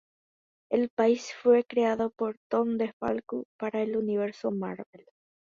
El país fue creado por Tom DeFalco para el Universo Marvel.